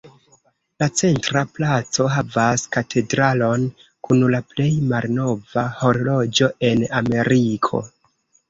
La centra placo havas katedralon kun la plej malnova horloĝo en Ameriko.